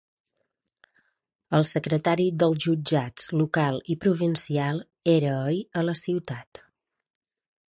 El secretari dels jutjats local i provincial era ahir a la ciutat.